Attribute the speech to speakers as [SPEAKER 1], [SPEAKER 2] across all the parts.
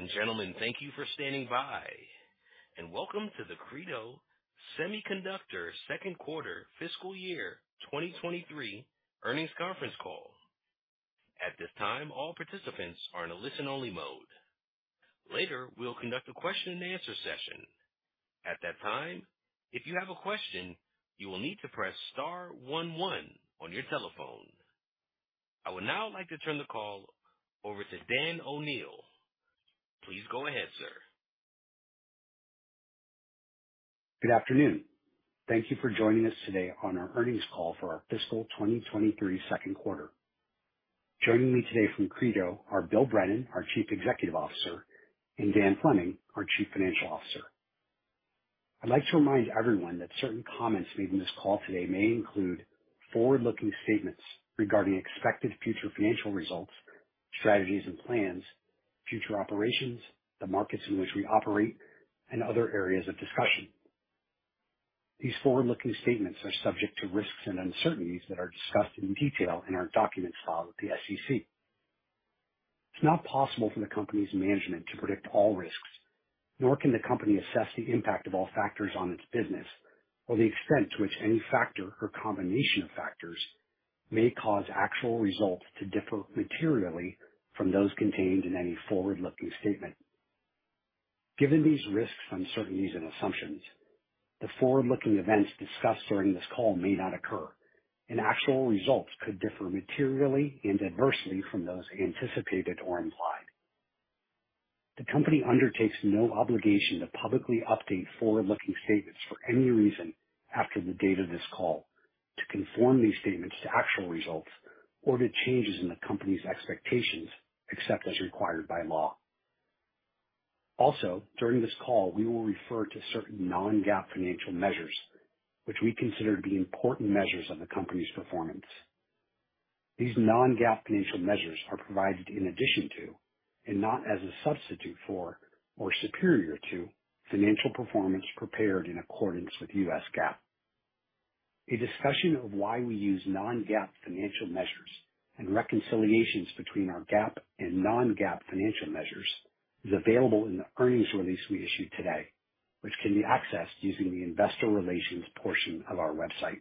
[SPEAKER 1] Ladies and gentlemen, thank you for standing by, and welcome to the Credo Technology Group second quarter fiscal year 2023 earnings conference call. At this time, all participants are in a listen-only mode. Later, we'll conduct a question-and-answer session. At that time, if you have a question, you will need to press star one one on your telephone. I would now like to turn the call over to Dan O'Neil. Please go ahead, sir.
[SPEAKER 2] Good afternoon. Thank you for joining us today on our earnings call for our fiscal 2023 second quarter. Joining me today from Credo are Bill Brennan, our Chief Executive Officer, and Dan Fleming, our Chief Financial Officer. I'd like to remind everyone that certain comments made in this call today may include forward-looking statements regarding expected future financial results, strategies and plans, future operations, the markets in which we operate, and other areas of discussion. These forward-looking statements are subject to risks and uncertainties that are discussed in detail in our documents filed with the SEC. It's not possible for the company's management to predict all risks, nor can the company assess the impact of all factors on its business or the extent to which any factor or combination of factors may cause actual results to differ materially from those contained in any forward-looking statement. Given these risks, uncertainties, and assumptions, the forward-looking events discussed during this call may not occur, and actual results could differ materially and adversely from those anticipated or implied. The company undertakes no obligation to publicly update forward-looking statements for any reason after the date of this call to conform these statements to actual results or to changes in the company's expectations, except as required by law. Also, during this call, we will refer to certain non-GAAP financial measures which we consider to be important measures of the company's performance. These non-GAAP financial measures are provided in addition to and not as a substitute for or superior to financial performance prepared in accordance with U.S. GAAP. A discussion of why we use non-GAAP financial measures and reconciliations between our GAAP and non-GAAP financial measures is available in the earnings release we issued today, which can be accessed using the investor relations portion of our website.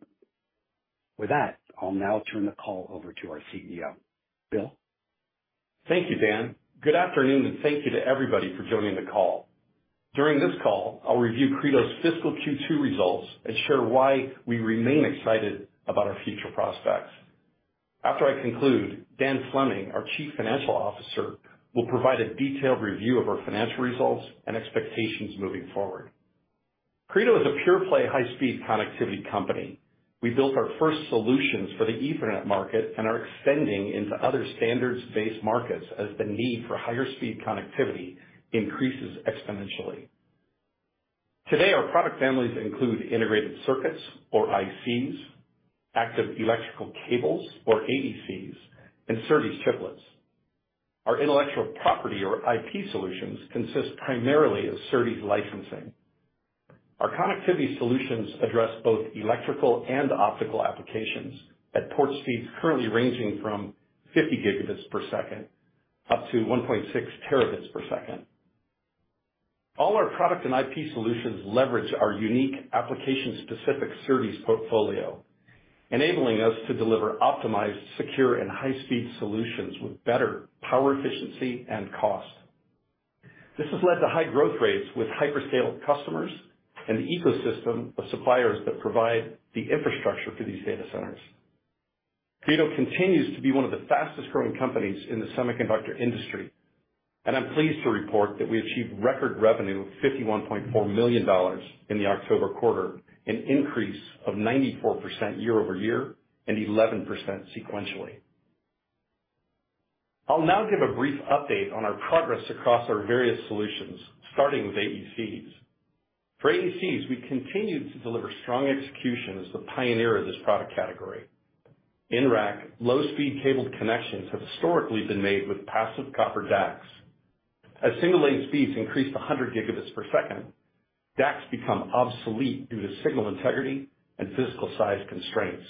[SPEAKER 2] With that, I'll now turn the call over to our CEO. Bill?
[SPEAKER 3] Thank you, Dan. Good afternoon, thank you to everybody for joining the call. During this call, I'll review Credo's fiscal Q2 results and share why we remain excited about our future prospects. After I conclude, Dan Fleming, our Chief Financial Officer, will provide a detailed review of our financial results and expectations moving forward. Credo is a pure play, high-speed connectivity company. We built our first solutions for the Ethernet market and are extending into other standards-based markets as the need for higher speed connectivity increases exponentially. Today, our product families include integrated circuits or ICs, active electrical cables or AECs, and SerDes chiplets. Our intellectual property or IP solutions consist primarily of SerDes licensing. Our connectivity solutions address both electrical and optical applications at port speeds currently ranging from 50 Gbps up to 1.6 Tbps. All our product and IP solutions leverage our unique application-specific SerDes portfolio, enabling us to deliver optimized, secure, and high-speed solutions with better power efficiency and cost. This has led to high growth rates with hyperscale customers and the ecosystem of suppliers that provide the infrastructure for these data centers. Credo continues to be one of the fastest-growing companies in the semiconductor industry, and I'm pleased to report that we achieved record revenue of $51.4 million in the October quarter, an increase of 94% year-over-year and 11% sequentially. I'll now give a brief update on our progress across our various solutions, starting with AECs. For AECs, we continue to deliver strong execution as the pioneer of this product category. In rack, low-speed cabled connections have historically been made with passive copper DACs. As single lane speeds increase to 100 Gbps, DACs become obsolete due to signal integrity and physical size constraints.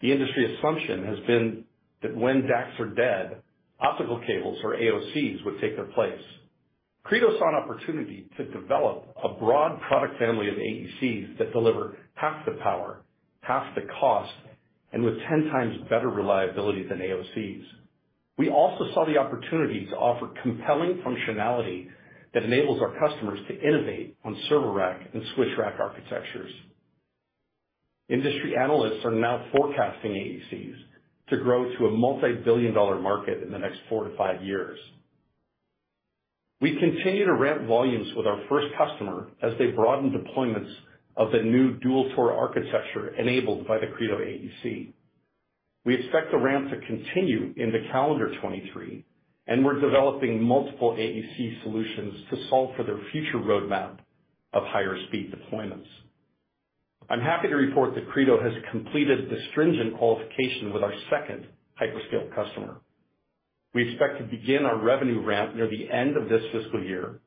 [SPEAKER 3] The industry assumption has been that when DACs are dead, optical cables or AOCs would take their place. Credo saw an opportunity to develop a broad product family of AECs that deliver half the power, half the cost, and with 10 times better reliability than AOCs. We also saw the opportunity to offer compelling functionality that enables our customers to innovate on server rack and switch rack architectures. Industry analysts are now forecasting AECs to grow to a multi-billion dollar market in the next 4 to 5 years. We continue to ramp volumes with our first customer as they broaden deployments of the new dual TOR architecture enabled by the Credo AEC. We expect the ramp to continue into calendar 2023. We're developing multiple AEC solutions to solve for their future roadmap of higher speed deployments. I'm happy to report that Credo has completed the stringent qualification with our second hyperscale customer. We expect to begin our revenue ramp near the end of this fiscal year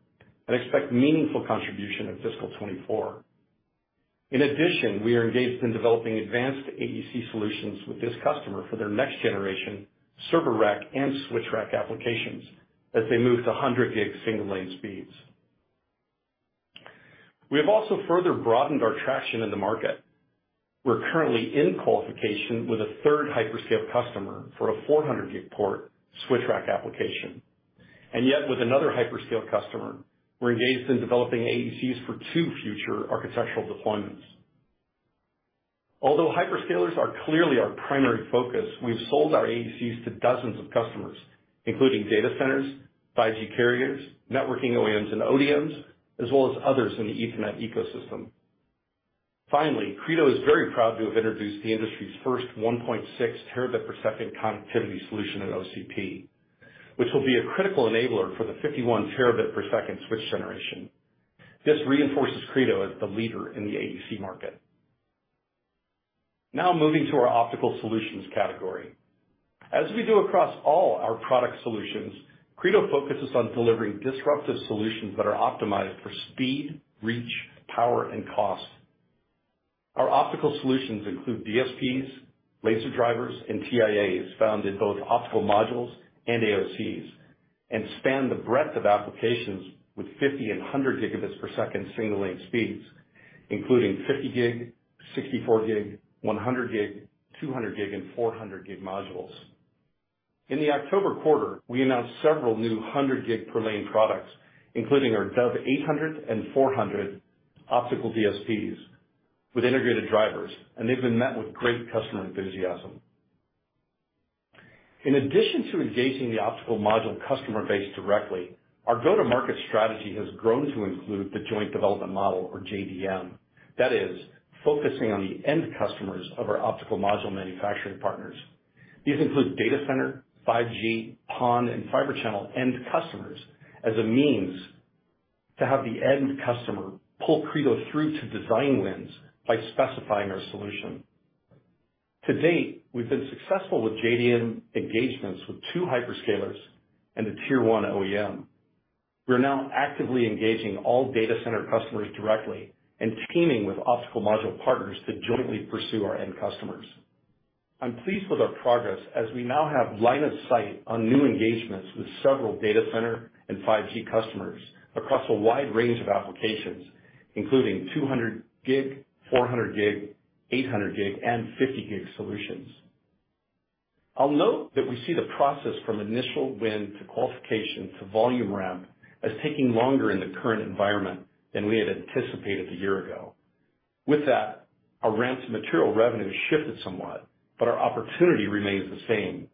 [SPEAKER 3] and expect meaningful contribution in fiscal 2024. In addition, we are engaged in developing advanced AEC solutions with this customer for their next generation server rack and switch rack applications as they move to 100G single lane speeds. We have also further broadened our traction in the market. We're currently in qualification with a third hyperscale customer for a 400G port switch rack application. Yet with another hyperscale customer, we're engaged in developing AECs for two future architectural deployments. Although hyperscalers are clearly our primary focus, we've sold our AECs to dozens of customers, including data centers, 5G carriers, networking OEMs, and ODMs, as well as others in the Ethernet ecosystem. Finally, Credo is very proud to have introduced the industry's first 1.6 terabit per second connectivity solution at OCP, which will be a critical enabler for the 51 terabit per second switch generation. This reinforces Credo as the leader in the AEC market. Now moving to our optical solutions category. As we do across all our product solutions, Credo focuses on delivering disruptive solutions that are optimized for speed, reach, power, and cost. Our optical solutions include DSPs, laser drivers, and TIAs found in both optical modules and AOCs, and span the breadth of applications with 50 and 100 gigabits per second single lane speeds, including 50G, 64G, 100G, 200G, and 400G modules. In the October quarter, we announced several new 100 Gbps per lane products, including our Dove 800 and 400 optical DSPs with integrated drivers. They've been met with great customer enthusiasm. In addition to engaging the optical module customer base directly, our go-to-market strategy has grown to include the joint development model or JDM. That is, focusing on the end customers of our optical module manufacturing partners. These include data center, 5G, PON, and Fibre Channel end customers as a means to have the end customer pull Credo through to design wins by specifying our solution. To date, we've been successful with JDM engagements with 2 hyperscalers and a tier 1 OEM. We are now actively engaging all data center customers directly and teaming with optical module partners to jointly pursue our end customers. I'm pleased with our progress as we now have line of sight on new engagements with several data center and 5G customers across a wide range of applications, including 200G, 400G, 800G, and 50G solutions. I'll note that we see the process from initial win to qualification to volume ramp as taking longer in the current environment than we had anticipated a year ago. With that, our ramp to material revenue shifted somewhat, but our opportunity remains the same.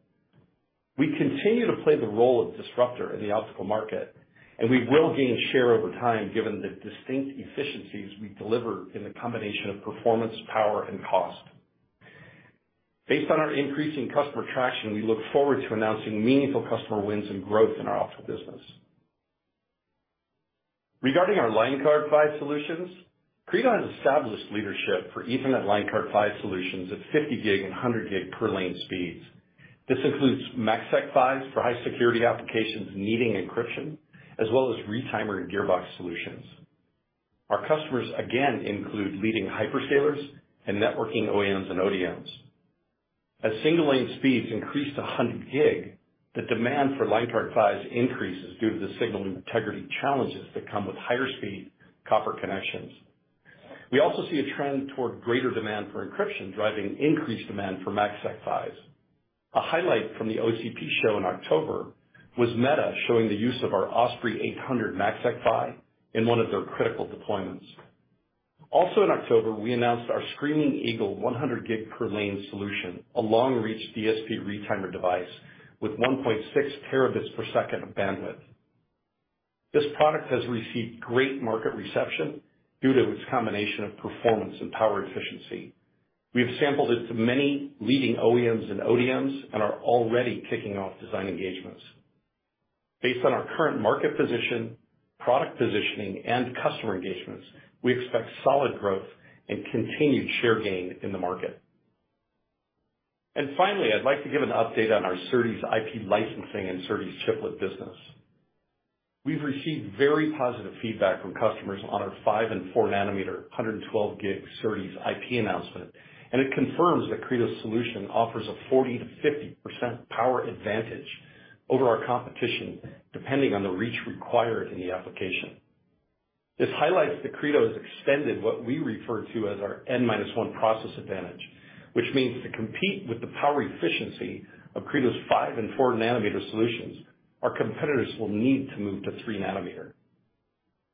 [SPEAKER 3] We continue to play the role of disruptor in the optical market, we will gain share over time given the distinct efficiencies we deliver in the combination of performance, power, and cost. Based on our increasing customer traction, we look forward to announcing meaningful customer wins and growth in our optical business. Regarding our line card PHY solutions, Credo has established leadership for Ethernet line card PHY solutions at 50 gig and 100 Gbps per lane speeds. This includes MACsec PHYs for high security applications needing encryption, as well as retimer and gearbox solutions. Our customers, again, include leading hyperscalers and networking OEMs and ODMs. As single lane speeds increase to 100 gig, the demand for lane card PHYs increases due to the signal integrity challenges that come with higher speed copper connections. We also see a trend toward greater demand for encryption, driving increased demand for MACsec PHYs. A highlight from the OCP show in October was Meta showing the use of our Osprey 800 MACsec PHY in one of their critical deployments. In October, we announced our Screaming Eagle 100 Gbps per lane solution, a long-reach DSP retimer device with 1.6 terabits per second of bandwidth. This product has received great market reception due to its combination of performance and power efficiency. We have sampled it to many leading OEMs and ODMs and are already kicking off design engagements. Based on our current market position, product positioning, and customer engagements, we expect solid growth and continued share gain in the market. Finally, I'd like to give an update on our SerDes IP licensing and SerDes chiplet business. We've received very positive feedback from customers on our 5- and 4-nanometer 112G SerDes IP announcement. It confirms that Credo's solution offers a 40%-50% power advantage over our competition, depending on the reach required in the application. This highlights that Credo has extended what we refer to as our N-1 process advantage, which means to compete with the power efficiency of Credo's 5 and 4 nanometer solutions, our competitors will need to move to 3 nanometer.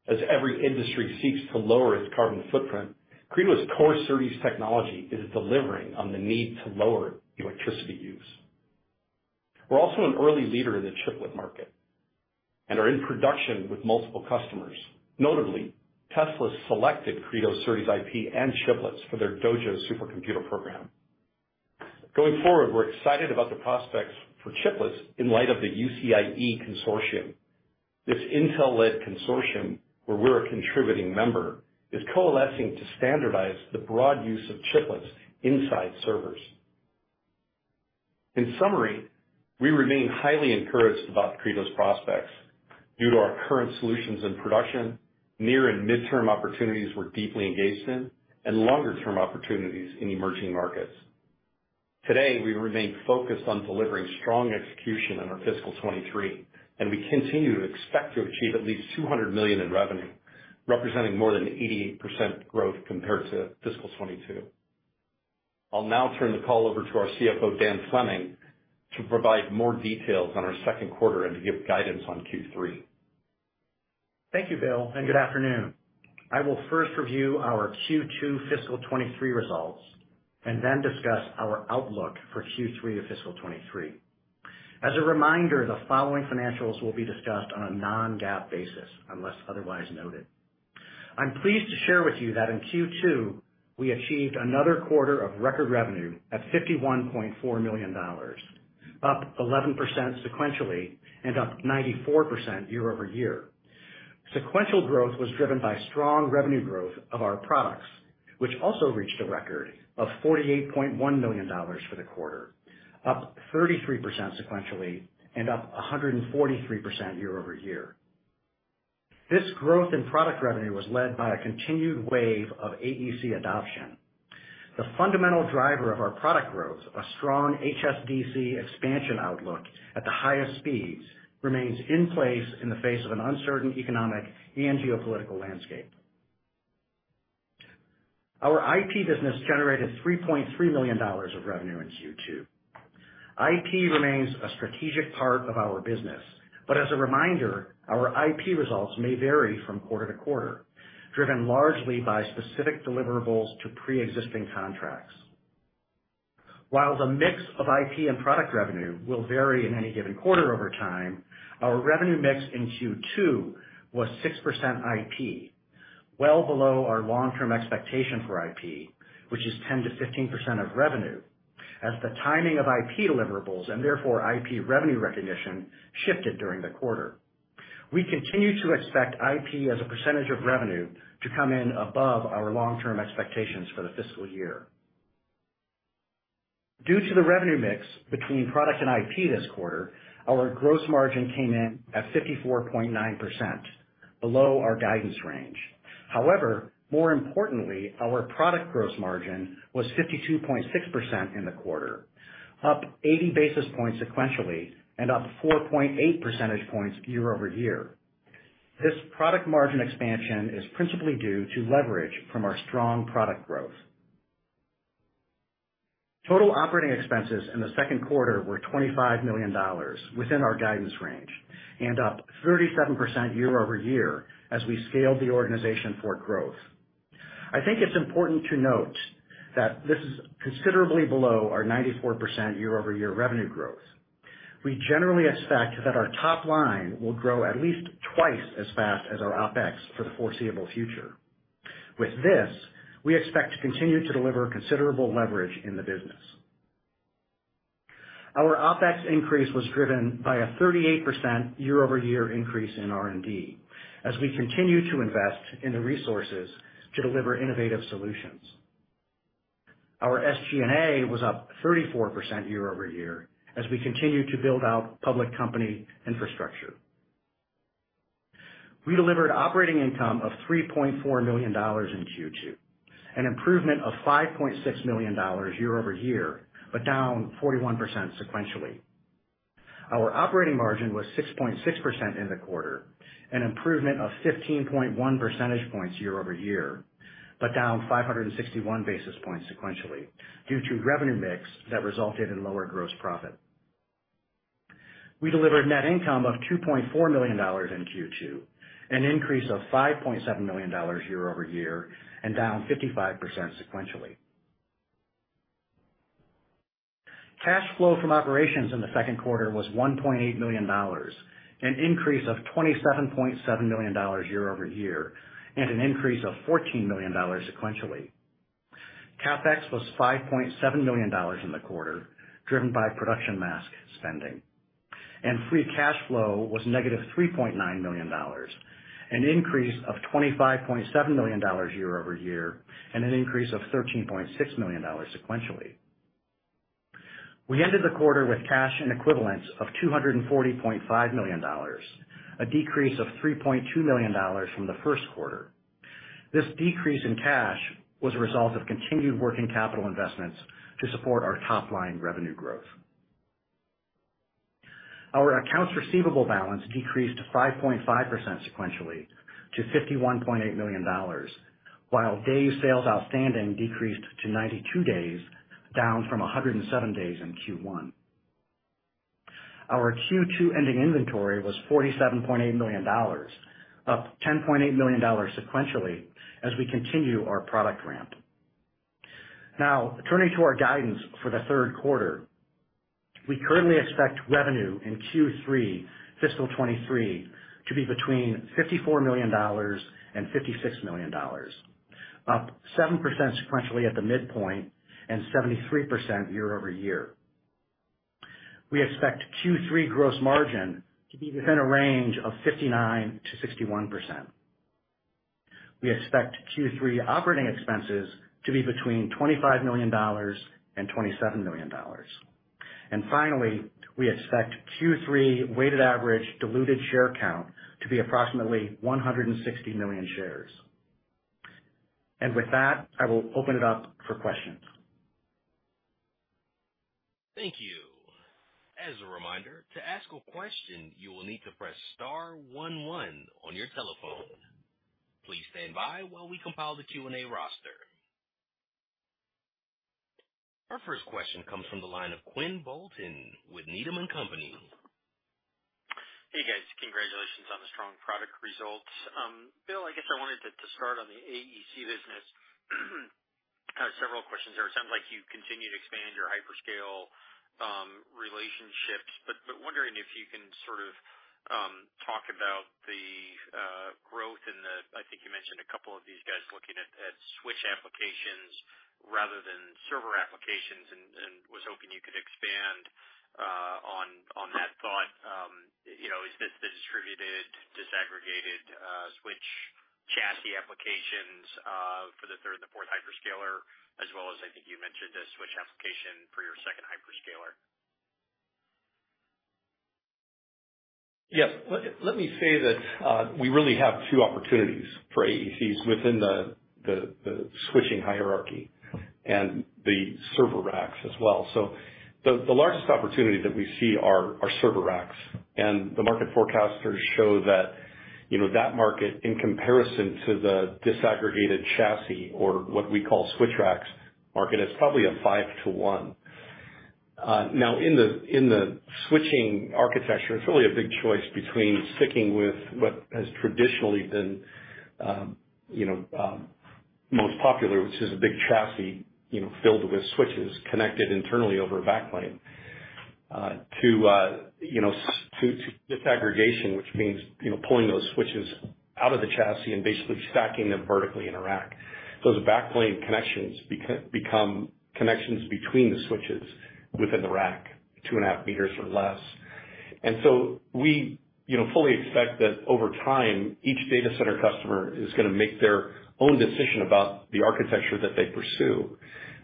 [SPEAKER 3] As every industry seeks to lower its carbon footprint, Credo's core SerDes technology is delivering on the need to lower electricity use. We're also an early leader in the chiplet market and are in production with multiple customers. Notably, Tesla selected Credo's SerDes IP and chiplets for their Dojo supercomputer program. Going forward, we're excited about the prospects for chiplets in light of the UCIe consortium. This Intel-led consortium, where we're a contributing member, is coalescing to standardize the broad use of chiplets inside servers. In summary, we remain highly encouraged about Credo's prospects due to our current solutions and production, near and midterm opportunities we're deeply engaged in, and longer-term opportunities in emerging markets. Today, we remain focused on delivering strong execution in our fiscal 23, and we continue to expect to achieve at least $200 million in revenue, representing more than 88% growth compared to fiscal 22. I'll now turn the call over to our CFO, Dan Fleming, to provide more details on our second quarter and to give guidance on Q3.
[SPEAKER 4] Thank you, Bill. Good afternoon. I will first review our Q2 fiscal 23 results and then discuss our outlook for Q3 of fiscal 23. As a reminder, the following financials will be discussed on a non-GAAP basis unless otherwise noted. I'm pleased to share with you that in Q2, we achieved another quarter of record revenue at $51.4 million, up 11% sequentially and up 94% year-over-year. Sequential growth was driven by strong revenue growth of our products, which also reached a record of $48.1 million for the quarter, up 33% sequentially and up 143% year-over-year. This growth in product revenue was led by a continued wave of AEC adoption. The fundamental driver of our product growth, a strong HSDC expansion outlook at the highest speeds, remains in place in the face of an uncertain economic and geopolitical landscape. Our IP business generated $3.3 million of revenue in Q2. As a reminder, our IP results may vary from quarter to quarter, driven largely by specific deliverables to pre-existing contracts. While the mix of IP and product revenue will vary in any given quarter over time, our revenue mix in Q2 was 6% IP, well below our long-term expectation for IP, which is 10%-15% of revenue, as the timing of IP deliverables, and therefore IP revenue recognition, shifted during the quarter. We continue to expect IP as a % of revenue to come in above our long-term expectations for the fiscal year. Due to the revenue mix between product and IP this quarter, our gross margin came in at 54.9%, below our guidance range. More importantly, our product gross margin was 52.6% in the quarter, up 80 basis points sequentially and up 4.8 percentage points year-over-year. This product margin expansion is principally due to leverage from our strong product growth. Total operating expenses in the second quarter were $25 million, within our guidance range, and up 37% year-over-year as we scaled the organization for growth. I think it's important to note that this is considerably below our 94% year-over-year revenue growth. We generally expect that our top line will grow at least twice as fast as our OpEx for the foreseeable future. With this, we expect to continue to deliver considerable leverage in the business. Our OpEx increase was driven by a 38% year-over-year increase in R&D as we continue to invest in the resources to deliver innovative solutions. Our SG&A was up 34% year-over-year as we continue to build out public company infrastructure. We delivered operating income of $3.4 million in Q2, an improvement of $5.6 million year-over-year, but down 41% sequentially. Our operating margin was 6.6% in the quarter, an improvement of 15.1 percentage points year-over-year, but down 561 basis points sequentially due to revenue mix that resulted in lower gross profit. We delivered net income of $2.4 million in Q2, an increase of $5.7 million year-over-year and down 55% sequentially. Cash flow from operations in the second quarter was $1.8 million, an increase of $27.7 million year-over-year, and an increase of $14 million sequentially. CapEx was $5.7 million in the quarter, driven by production mask spending. Free cash flow was -$3.9 million, an increase of $25.7 million year-over-year, and an increase of $13.6 million sequentially. We ended the quarter with cash and equivalents of $240.5 million, a decrease of $3.2 million from the first quarter. This decrease in cash was a result of continued working capital investments to support our top-line revenue growth. Our accounts receivable balance decreased 5.5% sequentially to $51.8 million, while days sales outstanding decreased to 92 days, down from 107 days in Q1. Our Q2 ending inventory was $47.8 million, up $10.8 million sequentially as we continue our product ramp. Turning to our guidance for the third quarter. We currently expect revenue in Q3 fiscal 2023 to be between $54 million and $56 million, up 7% sequentially at the midpoint and 73% year-over-year. We expect Q3 gross margin to be within a range of 59%-61%. We expect Q3 operating expenses to be between $25 million and $27 million. Finally, we expect Q3 weighted average diluted share count to be approximately 160 million shares. With that, I will open it up for questions.
[SPEAKER 1] Thank you. As a reminder, to ask a question, you will need to press star one one on your telephone. Please stand by while we compile the Q&A roster. Our first question comes from the line of Quinn Bolton with Needham & Company.
[SPEAKER 5] Hey, guys. Congratulations on the strong product results. Bill, I guess I wanted to start on the AEC business. I have several questions there. It sounds like you continue to expand your hyperscale relationships, but wondering if you can sort of talk about the growth and I think you mentioned a couple of these guys looking at switch applications rather than server applications and was hoping you could expand on that thought. You know, is this the distributed disaggregated switch chassis applications for the third and the fourth hyperscaler as well as I think you mentioned the switch application for your second hyperscaler?
[SPEAKER 3] Yes. Let me say that we really have 2 opportunities for AECs within the switching hierarchy and the server racks as well. The largest opportunity that we see are server racks. The market forecasters show that, you know, that market in comparison to the disaggregated chassis or what we call switch racks market is probably a 5 to 1. Now, in the switching architecture, it's really a big choice between sticking with what has traditionally been, you know, most popular, which is a big chassis, you know, filled with switches connected internally over a back plane, to disaggregation, which means, you know, pulling those switches out of the chassis and basically stacking them vertically in a rack. Those back plane connections become connections between the switches within the rack 2.5 meters or less. We, you know, fully expect that over time, each data center customer is gonna make their own decision about the architecture that they pursue.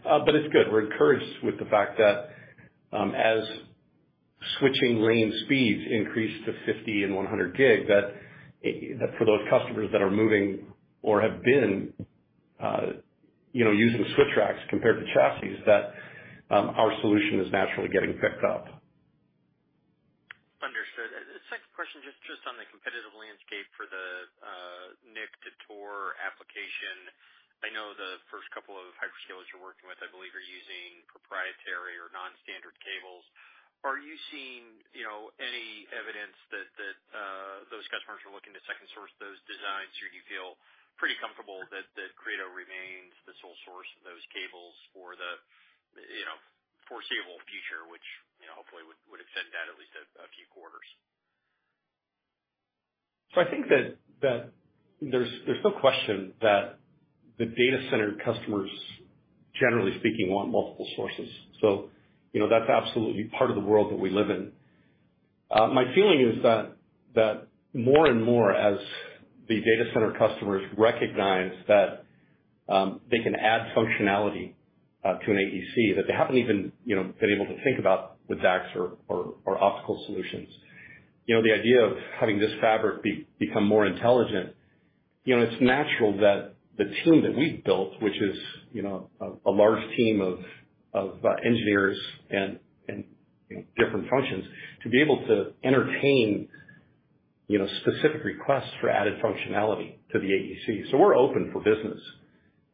[SPEAKER 3] It's good. We're encouraged with the fact that, as switching lane speeds increase to 50 and 100 gig, that for those customers that are moving or have been, you know, using switch racks compared to chassis, that, our solution is naturally getting picked up.
[SPEAKER 5] Understood. The second question, just on the competitive landscape for the NIC to ToR application. I know the first couple of hyperscalers you're working with, I believe, are using proprietary or non-standard cables. Are you seeing, you know, any evidence that those customers are looking to second source those designs? Or do you feel pretty comfortable that Credo remains the sole source of those cables for the, you know, foreseeable future, which, you know, hopefully would extend that at least a few quarters?
[SPEAKER 3] I think that there's no question that the data center customers, generally speaking, want multiple sources. You know, that's absolutely part of the world that we live in. My feeling is that more and more as the data center customers recognize that, they can add functionality to an AEC that they haven't even, you know, been able to think about with DACs or optical solutions. You know, the idea of having this fabric become more intelligent, you know, it's natural that the team that we've built, which is, you know, a large team of engineers and different functions to be able to entertain, you know, specific requests for added functionality to the AEC. We're open for business.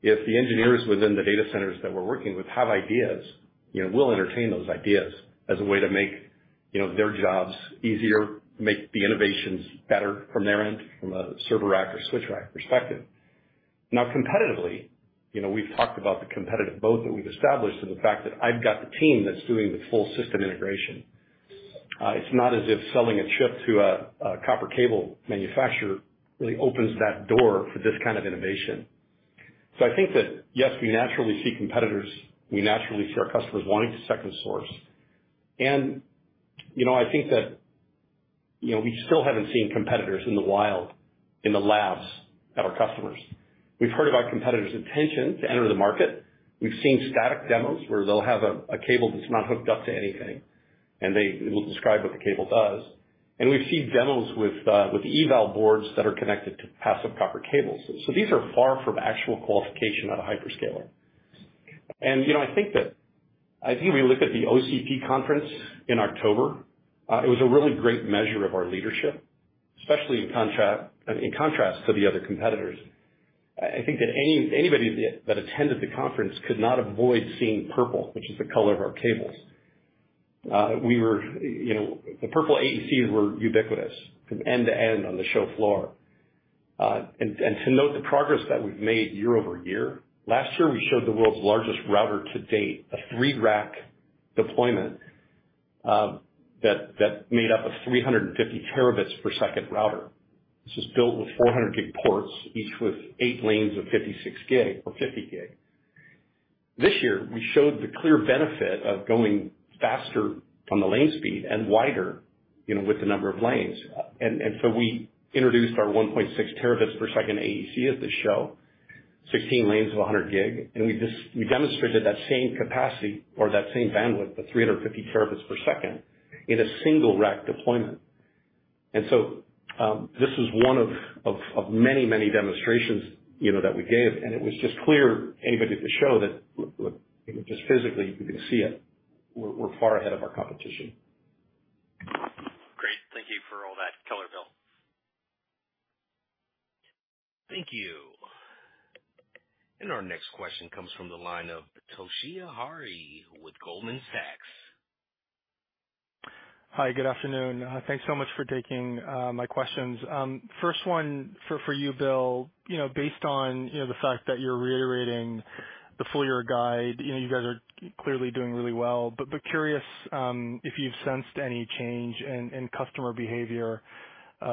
[SPEAKER 3] If the engineers within the data centers that we're working with have ideas, you know, we'll entertain those ideas as a way to make, you know, their jobs easier, make the innovations better from their end, from a server rack or switch rack perspective. Competitively, you know, we've talked about the competitive moat that we've established and the fact that I've got the team that's doing the full system integration. It's not as if selling a chip to a copper cable manufacturer really opens that door for this kind of innovation. I think that yes, we naturally see competitors. We naturally see our customers wanting to second source. You know, I think that, you know, we still haven't seen competitors in the wild in the labs at our customers. We've heard about competitors' intention to enter the market. We've seen static demos where they'll have a cable that's not hooked up to anything, and they will describe what the cable does. We've seen demos with eval boards that are connected to passive copper cables. These are far from actual qualification at a hyperscaler. You know, I think that we look at the OCP conference in October. It was a really great measure of our leadership, especially in contrast to the other competitors. I think that anybody that attended the conference could not avoid seeing purple, which is the color of our cables. We were, you know, the purple AECs were ubiquitous from end to end on the show floor. And to note the progress that we've made year-over-year, last year, we showed the world's largest router to date, a 3-rack deployment, that made up a 350 terabits per second router. This is built with 400 gig ports, each with 8 lanes of 56 gig or 50 gig. This year, we showed the clear benefit of going faster on the lane speed and wider, you know, with the number of lanes. We introduced our 1.6 terabits per second AEC at the show, 16 lanes of 100 gig. We demonstrated that same capacity or that same bandwidth, the 350 terabits per second in a 1 rack deployment. This is one of many demonstrations, you know, that we gave, and it was just clear to anybody at the show that, you know, just physically you can see it, we're far ahead of our competition.
[SPEAKER 5] Great. Thank you for all that color, Bill.
[SPEAKER 1] Thank you. Our next question comes from the line of Toshiya Hari with Goldman Sachs.
[SPEAKER 6] Hi, good afternoon. Thanks so much for taking my questions. First one for you, Bill. You know, based on, you know, the fact that you're reiterating the full year guide, you know, you guys are clearly doing really well. Curious if you've sensed any change in customer behavior,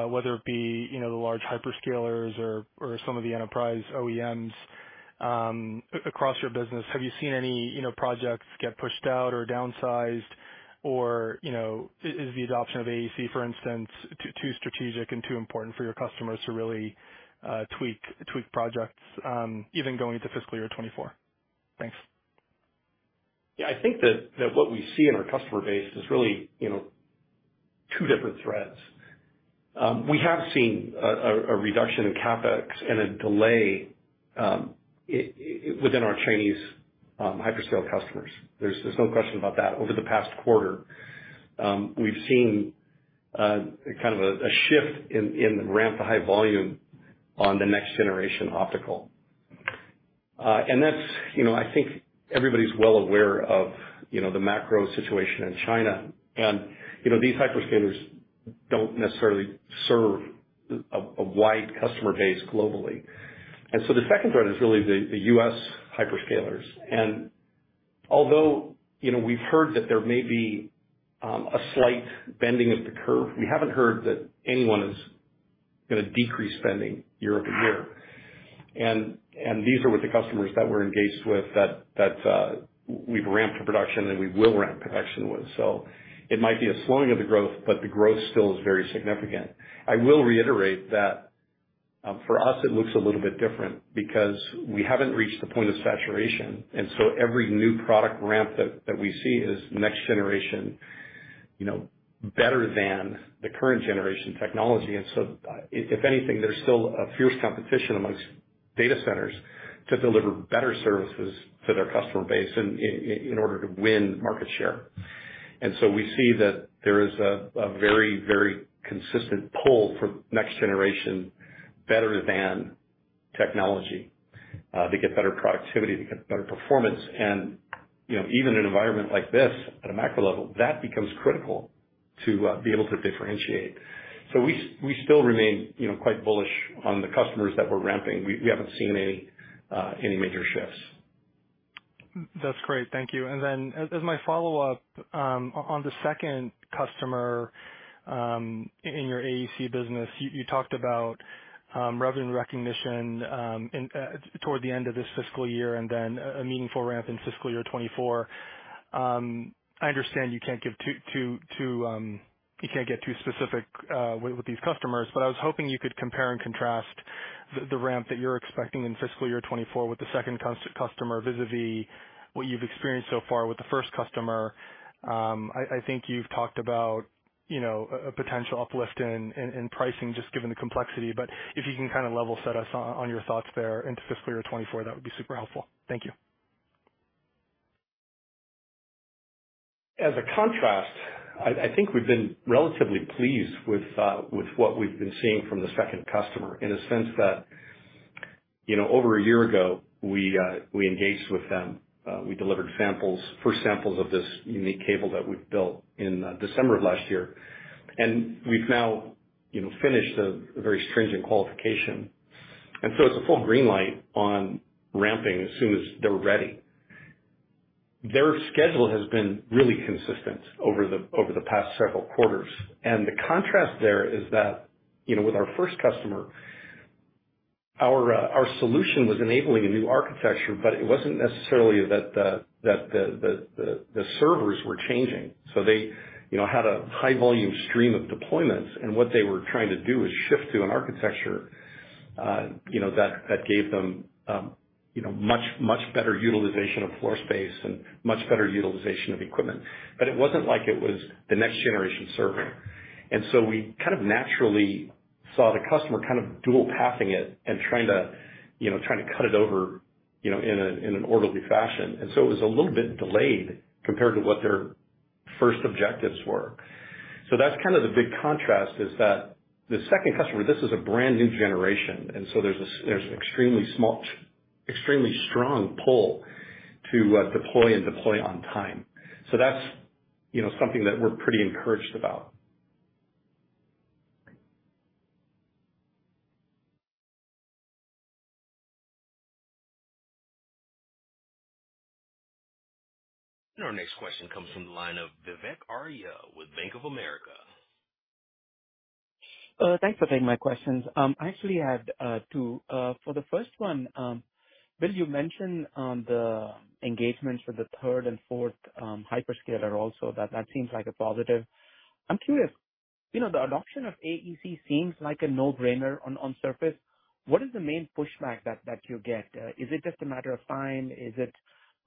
[SPEAKER 6] whether it be, you know, the large hyperscalers or some of the enterprise OEMs across your business. Have you seen any, you know, projects get pushed out or downsized? Is the adoption of AEC, for instance, too strategic and too important for your customers to really tweak projects even going into fiscal year 2024? Thanks.
[SPEAKER 3] Yeah, I think that what we see in our customer base is really, you know, two different threads. We have seen a reduction in CapEx and a delay within our Chinese hyperscale customers. There's no question about that. Over the past quarter, we've seen kind of a shift in ramp to high volume on the next generation optical. That's, you know, I think everybody's well aware of, you know, the macro situation in China. You know, these hyperscalers don't necessarily serve a wide customer base globally. The second thread is really the US hyperscalers. Although, you know, we've heard that there may be a slight bending of the curve, we haven't heard that anyone is gonna decrease spending year-over-year. These are with the customers that we're engaged with that we've ramped to production and we will ramp production with. It might be a slowing of the growth, but the growth still is very significant. I will reiterate that for us it looks a little bit different because we haven't reached the point of saturation. Every new product ramp that we see is next generation, you know, better than the current generation technology. If anything, there's still a fierce competition amongst data centers to deliver better services to their customer base in order to win market share. We see that there is a very consistent pull for next generation better than technology to get better productivity, to get better performance. You know, even in an environment like this at a macro level, that becomes critical to be able to differentiate. We still remain, you know, quite bullish on the customers that we're ramping. We haven't seen any major shifts.
[SPEAKER 6] That's great. Thank you. As my follow-up, on the second customer, in your AEC business, you talked about revenue recognition in toward the end of this fiscal year and then a meaningful ramp in fiscal year 2024. I understand you can't give too specific with these customers, but I was hoping you could compare and contrast the ramp that you're expecting in fiscal year 2024 with the second customer vis-a-vis what you've experienced so far with the first customer. I think you've talked about, you know, a potential uplift in pricing just given the complexity. If you can kinda level set us on your thoughts there into fiscal year 2024, that would be super helpful. Thank you.
[SPEAKER 3] As a contrast, I think we've been relatively pleased with what we've been seeing from the second customer in a sense that, you know, over a year ago we engaged with them. We delivered samples, full samples of this unique cable that we've built in December of last year. We've now, you know, finished the very stringent qualification. It's a full green light on ramping as soon as they're ready. Their schedule has been really consistent over the past several quarters. The contrast there is that, you know, with our first customer, our solution was enabling a new architecture, but it wasn't necessarily that the servers were changing. They, you know, had a high volume stream of deployments and what they were trying to do is shift to an architecture, you know, that gave them, you know, much, much better utilization of floor space and much better utilization of equipment. It wasn't like it was the next generation server. We kind of naturally saw the customer kind of dual pathing it and trying to, you know, trying to cut it over, you know, in an orderly fashion. It was a little bit delayed compared to what their first objectives were. That's kind of the big contrast is that the second customer, this is a brand new generation, and there's extremely strong pull to deploy and deploy on time. That's, you know, something that we're pretty encouraged about.
[SPEAKER 1] Our next question comes from the line of Vivek Arya with Bank of America.
[SPEAKER 7] Thanks for taking my questions. I actually had 2. For the first one, Bill, you mentioned the engagements for the third and fourth hyperscaler also. That seems like a positive. I'm curious, you know, the adoption of AEC seems like a no-brainer on surface. What is the main pushback that you get? Is it just a matter of time? Is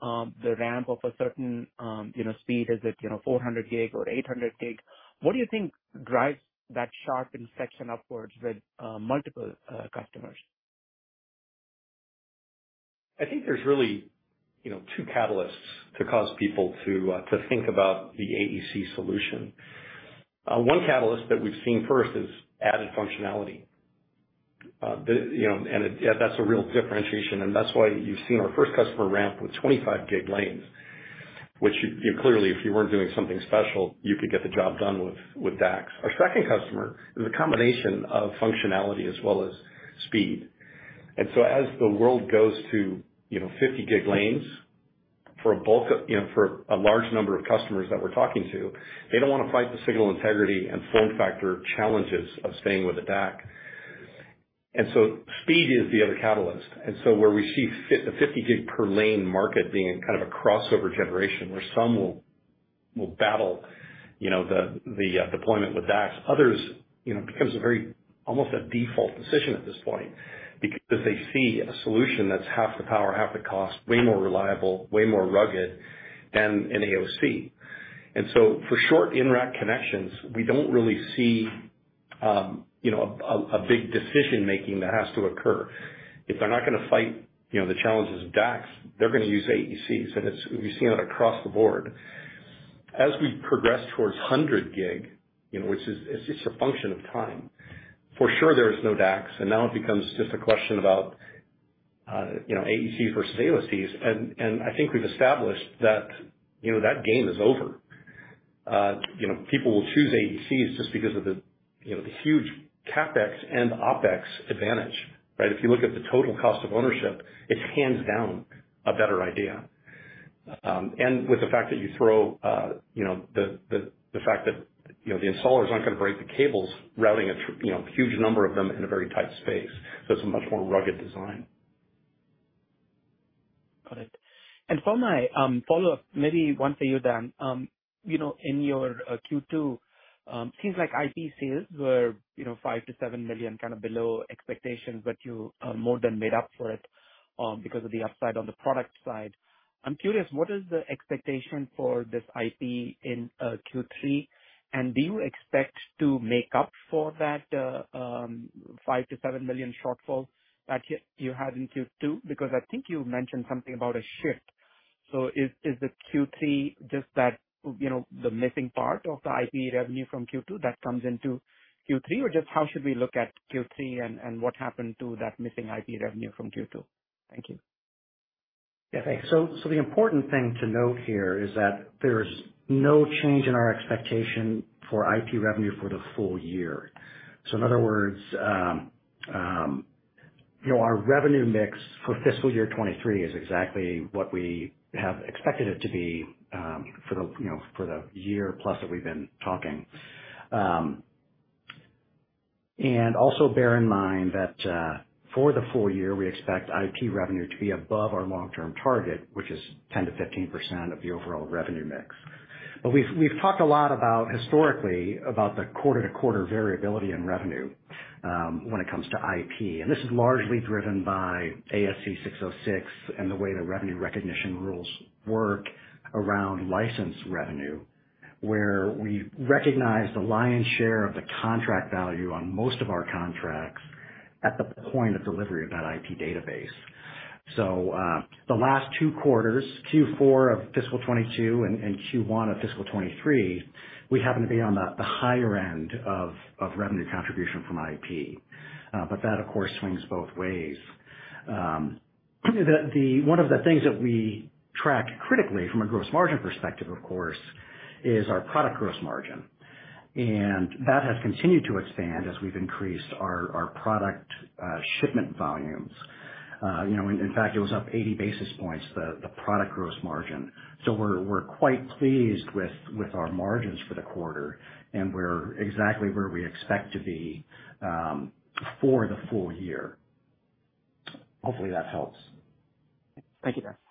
[SPEAKER 7] it the ramp of a certain, you know, speed? Is it, you know, 400 gig or 800 gig? What do you think drives that sharp inflection upwards with multiple customers?
[SPEAKER 3] I think there's really, you know, 2 catalysts to cause people to think about the AEC solution. 1 catalyst that we've seen first is added functionality. Yeah, that's a real differentiation, and that's why you've seen our first customer ramp with 25 gig lanes, which you know, clearly, if you weren't doing something special, you could get the job done with DACs. Our second customer is a combination of functionality as well as speed. As the world goes to, you know, 50 gig lanes for a bulk of, you know, for a large number of customers that we're talking to, they don't wanna fight the signal integrity and form factor challenges of staying with a DAC. Speed is the other catalyst. Where we see the 50 gig per lane market being in kind of a crossover generation, where some will battle, you know, deployment with DACs. Others, you know, it becomes a very, almost a default decision at this point because they see a solution that's half the power, half the cost, way more reliable, way more rugged than an AOC. For short in-rack connections, we don't really see, you know, a big decision-making that has to occur. If they're not gonna fight, you know, the challenges of DACs, they're gonna use AECs, and we've seen that across the board. As we progress towards 100 gig, you know, which is, it's just a function of time, for sure there is no DACs, and now it becomes just a question about, you know, AEC versus AOCs. I think we've established that, you know, that game is over. You know, people will choose AECs just because of the, you know, the huge CapEx and OpEx advantage, right? If you look at the total cost of ownership, it's hands down a better idea. With the fact that you throw, you know, the fact that, you know, the installers aren't gonna break the cables routing you know, huge number of them in a very tight space, so it's a much more rugged design.
[SPEAKER 7] Got it. For my follow-up, maybe one for you, Dan. You know, in your Q2, seems like IP sales were, you know, $5 million-$7 million, kind of below expectations, but you more than made up for it, because of the upside on the product side. I'm curious, what is the expectation for this IP in Q3? Do you expect to make up for that $5 million-$7 million shortfall that you had in Q2? Because I think you mentioned something about a shift. Is the Q3 just that, you know, the missing part of the IP revenue from Q2 that comes into Q3? Just how should we look at Q3 and what happened to that missing IP revenue from Q2? Thank you.
[SPEAKER 4] Yeah, thanks. The important thing to note here is that there's no change in our expectation for IP revenue for the full year. In other words, you know, our revenue mix for fiscal year 23 is exactly what we have expected it to be, for the, you know, for the year plus that we've been talking. Also bear in mind that for the full year, we expect IP revenue to be above our long-term target, which is 10%-15% of the overall revenue mix. We've talked a lot about historically, about the quarter-to-quarter variability in revenue, when it comes to IP. This is largely driven by ASC 606 and the way the revenue recognition rules work around license revenue, where we recognize the lion's share of the contract value on most of our contracts at the point of delivery of that IP database. The last two quarters, Q4 of fiscal 2022 and Q1 of fiscal 2023, we happen to be on the higher end of revenue contribution from IP. That of course swings both ways. One of the things that we track critically from a gross margin perspective, of course, is our product gross margin. That has continued to expand as we've increased our product shipment volumes. You know, in fact, it was up 80 basis points, the product gross margin. We're quite pleased with our margins for the quarter, and we're exactly where we expect to be for the full year. Hopefully, that helps.
[SPEAKER 7] Thank you, guys.
[SPEAKER 1] Our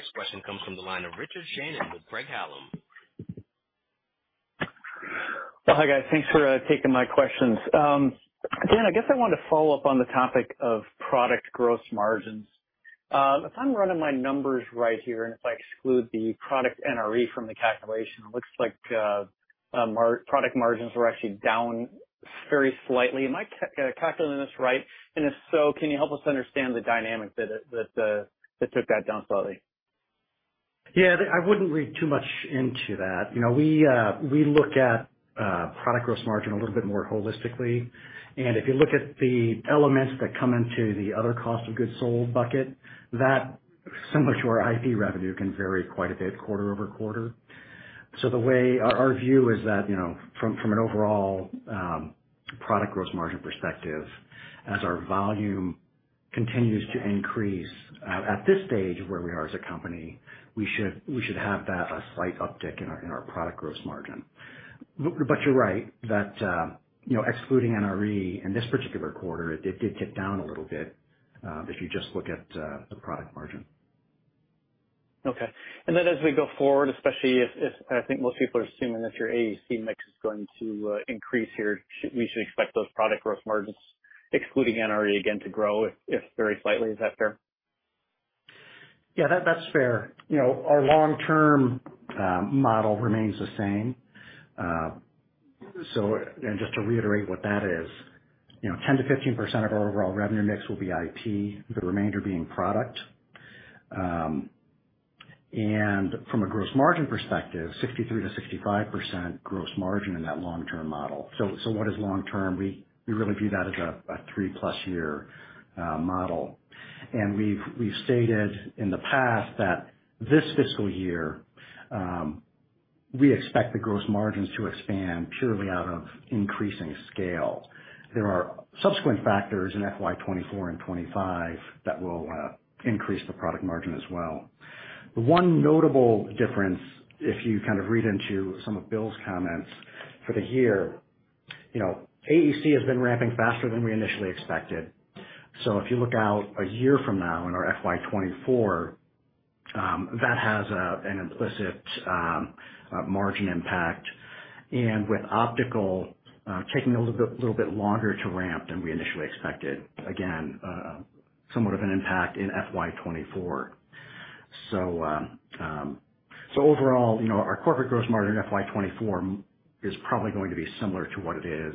[SPEAKER 1] next question comes from the line of Richard Shannon with Craig-Hallum.
[SPEAKER 8] Well, hi guys. Thanks for taking my questions. Dan, I guess I wanted to follow up on the topic of product gross margins. If I'm running my numbers right here, and if I exclude the product NRE from the calculation, it looks like product margins were actually down very slightly. Am I calculating this right? If so, can you help us understand the dynamic that took that down slightly?
[SPEAKER 4] Yeah. I wouldn't read too much into that. You know, we look at product gross margin a little bit more holistically. If you look at the elements that come into the other cost of goods sold bucket, that, similar to our IP revenue, can vary quite a bit quarter over quarter. Our view is that, you know, from an overall product gross margin perspective, as our volume continues to increase, at this stage where we are as a company, we should have that, a slight uptick in our product gross margin. But you're right that, you know, excluding NRE in this particular quarter, it did tick down a little bit, if you just look at the product margin.
[SPEAKER 8] As we go forward, especially if, and I think most people are assuming that your AEC mix is going to increase here. Should we expect those product growth margins, excluding NRE again, to grow if very slightly? Is that fair?
[SPEAKER 4] Yeah, that's fair. You know, our long-term model remains the same. Just to reiterate what that is, you know, 10%-15% of our overall revenue mix will be IP, the remainder being product. From a gross margin perspective, 63%-65% gross margin in that long-term model. So, what is long-term? We really view that as a 3-plus year model. We've stated in the past that this fiscal year, we expect the gross margins to expand purely out of increasing scale. There are subsequent factors in FY 2024 and 2025 that will increase the product margin as well. The one notable difference, if you kind of read into some of Bill's comments for the year, you know, AEC has been ramping faster than we initially expected. If you look out a year from now in our FY 2024, that has an implicit margin impact. With optical taking a little bit longer to ramp than we initially expected, again, somewhat of an impact in FY 2024. Overall, you know, our corporate gross margin in FY 2024 is probably going to be similar to what it is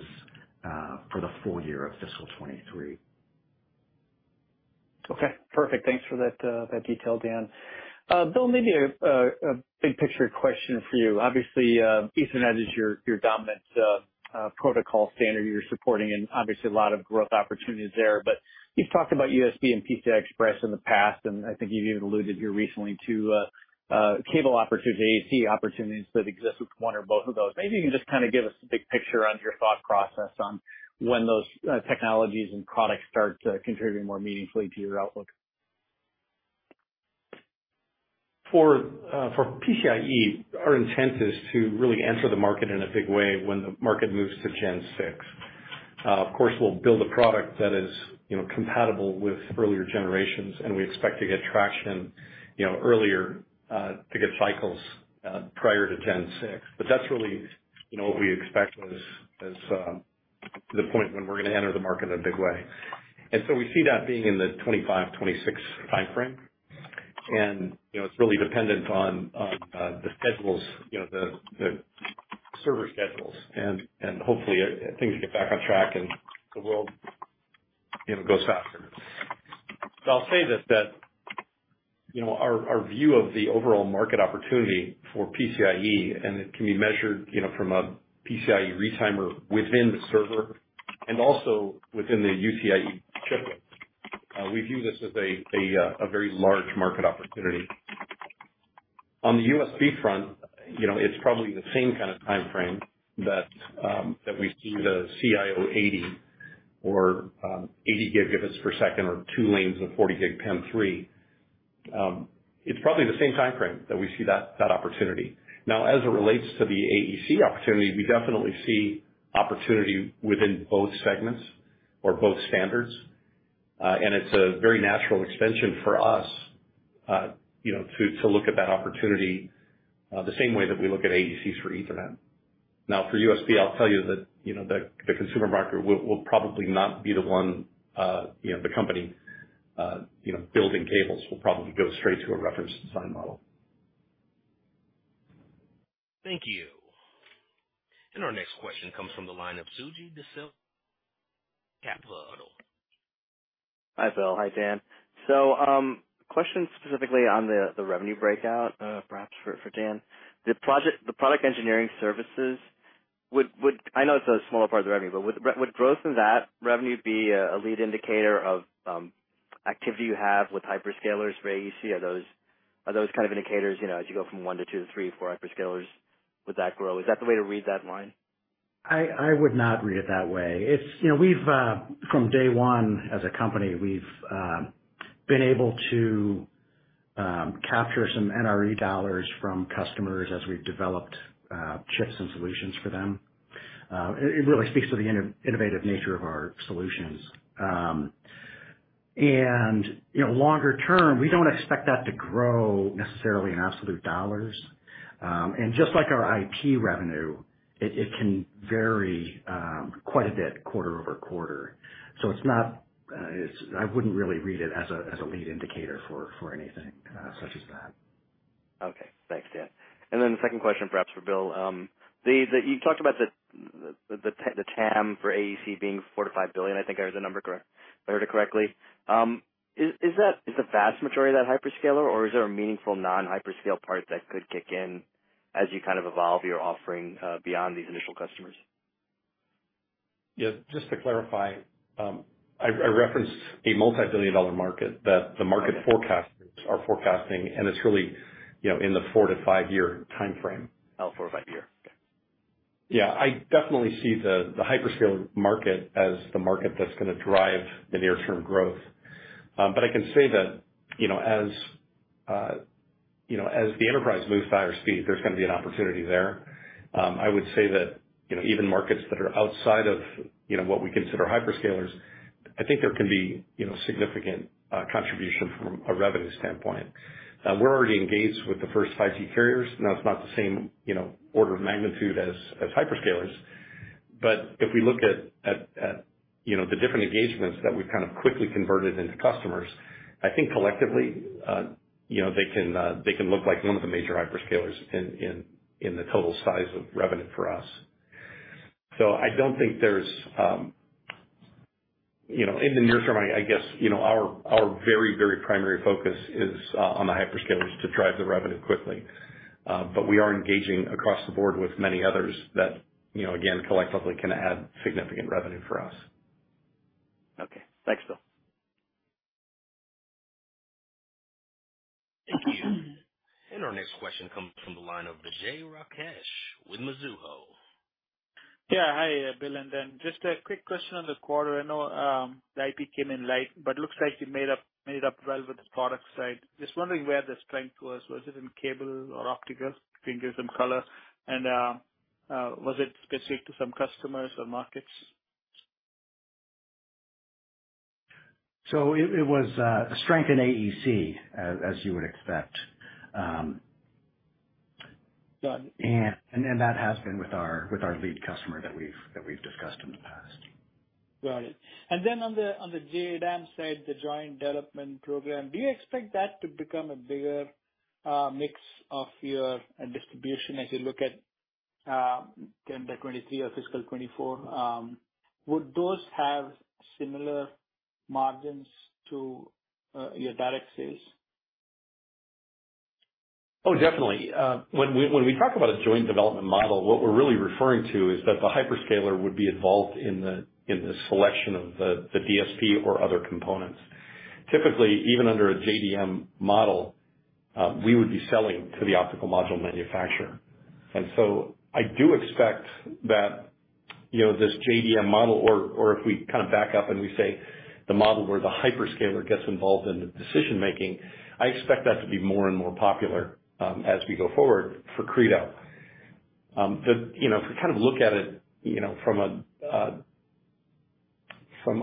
[SPEAKER 4] for the full year of fiscal 2023.
[SPEAKER 8] Okay. Perfect. Thanks for that detail, Dan. Bill, maybe a big picture question for you. Obviously, Ethernet is your dominant protocol standard you're supporting and obviously a lot of growth opportunities there. You've talked about USB and PCI Express in the past, and I think you even alluded here recently to, cable opportunities, AEC opportunities that exist with one or both of those. Maybe you can just kind of give us a big picture on your thought process on when those technologies and products start to contribute more meaningfully to your outlook.
[SPEAKER 3] For PCIe, our intent is to really enter the market in a big way when the market moves to Gen 6. Of course, we'll build a product that is, you know, compatible with earlier generations, and we expect to get traction, you know, earlier, to get cycles prior to Gen 6. That's really, you know, what we expect as the point when we're gonna enter the market in a big way. We see that being in the 2025, 2026 timeframe. You know, it's really dependent on the schedules, you know, the server schedules and hopefully things get back on track and the world, you know, goes faster. I'll say that, you know, our view of the overall market opportunity for PCIe, and it can be measured, you know, from a PCIe retimer within the server and also within the UCIe chiplet. We view this as a very large market opportunity. On the USB front, you know, it's probably the same kind of timeframe that we see the USB4 80Gbps or two lanes of 40 gig PAM4. It's probably the same timeframe that we see that opportunity. As it relates to the AEC opportunity, we definitely see opportunity within both segments or both standards. And it's a very natural extension for us, you know, to look at that opportunity, the same way that we look at AECs for Ethernet. For USB, I'll tell you that, you know, the consumer market will probably not be the one, you know, the company, you know, building cables. We'll probably go straight to a reference design model.
[SPEAKER 1] Thank you. Our next question comes from the line of Roth Capital Partners.
[SPEAKER 9] Hi, Bill. Hi, Dan. Question specifically on the revenue breakout, perhaps for Dan. The product engineering services would, I know it's a smaller part of the revenue, but would growth in that revenue be a lead indicator of activity you have with hyperscalers for AEC? Are those kind of indicators, you know, as you go from 1 to 2 to 3 to 4 hyperscalers, would that grow? Is that the way to read that line?
[SPEAKER 4] I would not read it that way. It's. You know, we've from day one as a company, we've been able to capture some NRE dollars from customers as we've developed chips and solutions for them. It really speaks to the innovative nature of our solutions. You know, longer term, we don't expect that to grow necessarily in absolute dollars. Just like our IP revenue, it can vary quite a bit quarter-over-quarter. It's not. I wouldn't really read it as a lead indicator for anything such as that.
[SPEAKER 9] Okay. Thanks, Dan. The second question, perhaps for Bill. You talked about the TAM for AEC being $4 billion-$5 billion. I think I heard the number correct, if I heard it correctly. Is that the vast majority of that hyperscaler or is there a meaningful non-hyperscale part that could kick in as you kind of evolve your offering beyond these initial customers?
[SPEAKER 3] Yeah. Just to clarify, I referenced a multi-billion dollar market that the market forecasters are forecasting, and it's really, you know, in the 4-5 year timeframe.
[SPEAKER 9] Oh, 4 or 5 year. Okay.
[SPEAKER 3] Yeah. I definitely see the hyperscale market as the market that's gonna drive the near term growth. I can say that, you know, as, you know, as the enterprise moves to higher speed, there's gonna be an opportunity there. I would say that, you know, even markets that are outside of, you know, what we consider hyperscalers, I think there can be, you know, significant contribution from a revenue standpoint. We're already engaged with the first 5G carriers. It's not the same, you know, order of magnitude as hyperscalers, but if we look at, you know, the different engagements that we've kind of quickly converted into customers, I think collectively, you know, they can, they can look like one of the major hyperscalers in the total size of revenue for us. I don't think there's... You know, in the near term, I guess, you know, our very, very primary focus is on the hyperscalers to drive the revenue quickly. We are engaging across the board with many others that, you know, again, collectively can add significant revenue for us.
[SPEAKER 9] Okay. Thanks, Bill.
[SPEAKER 1] Thank you. Our next question comes from the line of Vijay Rakesh with Mizuho.
[SPEAKER 10] Yeah. Hi, Bill. Then just a quick question on the quarter. I know, the IP came in light, but looks like you made up well with the product side. Just wondering where the strength was. Was it in cable or optical? If you can give some color. Was it specific to some customers or markets?
[SPEAKER 3] it was strength in AEC, as you would expect.
[SPEAKER 10] Got it.
[SPEAKER 3] That has been with our lead customer that we've discussed in the past.
[SPEAKER 10] Got it. On the JDM side, the joint development program, do you expect that to become a bigger mix of your distribution as you look at calendar 2023 or fiscal 2024? Would those have similar margins to your direct sales?
[SPEAKER 3] Oh, definitely. When we talk about a joint development model, what we're really referring to is that the hyperscaler would be involved in the selection of the DSP or other components. Typically, even under a JDM model, we would be selling to the optical module manufacturer. I do expect that, you know, this JDM model or if we kind of back up and we say the model where the hyperscaler gets involved in the decision making, I expect that to be more and more popular as we go forward for Credo. You know, if we kind of look at it, you know, from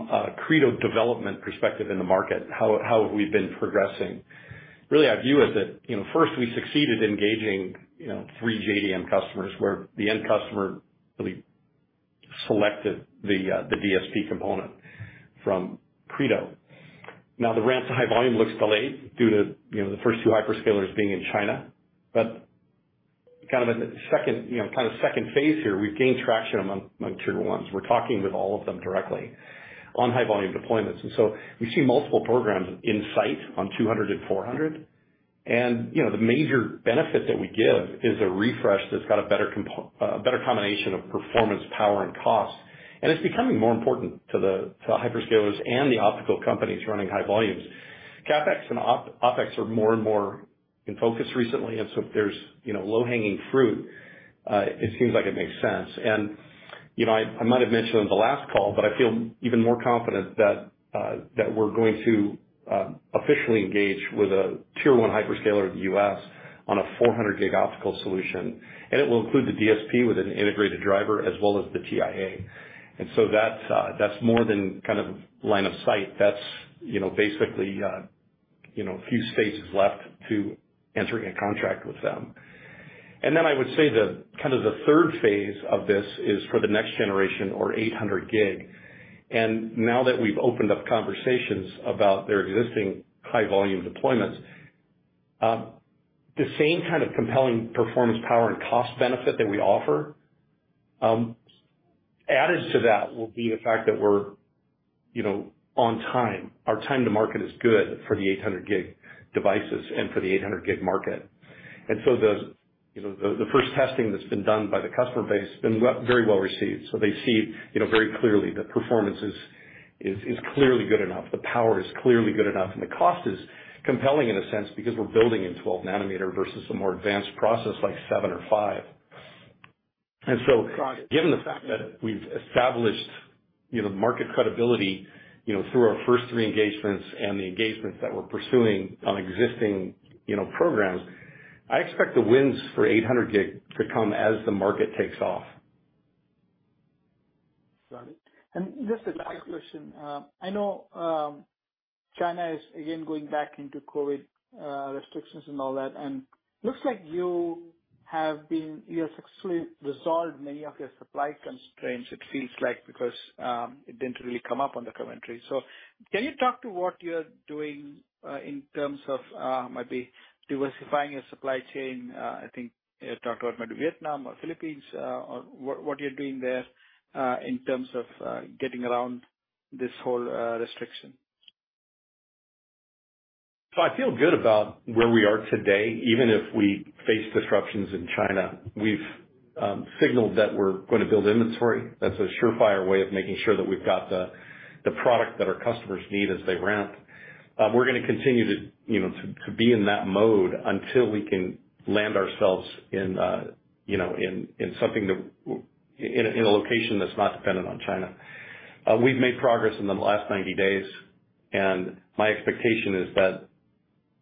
[SPEAKER 3] a Credo development perspective in the market, how have we been progressing? Really, our view is that, you know, first we succeeded in engaging, you know, 3 JDM customers where the end customer really selected the DSP component from Credo. The ramp to high volume looks delayed due to, you know, the first 2 hyperscalers being in China. Kind of in the second, you know, phase here, we've gained traction among tier ones. We're talking with all of them directly on high volume deployments. We see multiple programs in sight on 200 and 400. You know, the major benefit that we give is a refresh that's got a better combination of performance, power and cost. It's becoming more important to the hyperscalers and the optical companies running high volumes. CapEx and OpEx are more and more in focus recently. If there's, you know, low-hanging fruit, it seems like it makes sense. You know, I might have mentioned on the last call, but I feel even more confident that we're going to officially engage with a tier 1 hyperscaler in the U.S. on a 400 gig optical solution, and it will include the DSP with an integrated driver as well as the TIA. That's more than kind of line of sight. That's, you know, basically, a few phases left to entering a contract with them. I would say the, kinda the third phase of this is for the next generation or 800 gig. Now that we've opened up conversations about their existing high volume deployments, the same kind of compelling performance, power and cost benefit that we offer, added to that will be the fact that we're, you know, on time. Our time to market is good for the 800 gig devices and for the 800 gig market. The, you know, the first testing that's been done by the customer base has been very well received. They see, you know, very clearly the performance is, is clearly good enough, the power is clearly good enough, and the cost is compelling in a sense because we're building in 12 nanometer versus a more advanced process like 7 or 5. Given the fact that we've established, you know, market credibility, you know, through our first three engagements and the engagements that we're pursuing on existing, you know, programs, I expect the wins for 800 gig to come as the market takes off.
[SPEAKER 10] t question. I know China is again going back into COVID restrictions and all that, and it looks like you have successfully resolved many of your supply constraints, it feels like, because it didn't really come up on the commentary. Can you talk to what you are doing in terms of maybe diversifying your supply chain? I think you had talked about maybe Vietnam or Philippines, or what you are doing there in terms of getting around this whole restriction
[SPEAKER 3] I feel good about where we are today, even if we face disruptions in China. We've signaled that we're gonna build inventory. That's a surefire way of making sure that we've got the product that our customers need as they ramp. We're gonna continue to, you know, be in that mode until we can land ourselves in, you know, in a location that's not dependent on China. We've made progress in the last 90 days, and my expectation is that,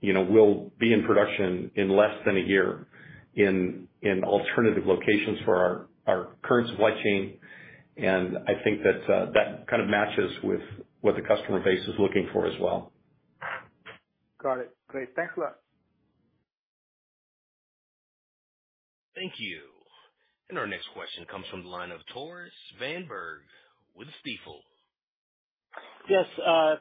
[SPEAKER 3] you know, we'll be in production in less than 1 year in alternative locations for our current supply chain. I think that kind of matches with what the customer base is looking for as well.
[SPEAKER 10] Got it. Great. Thanks a lot.
[SPEAKER 1] Thank you. Our next question comes from the line of Tore Svanberg with Stifel.
[SPEAKER 11] Yes,